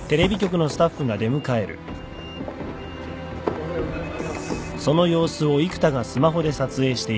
おはようございます。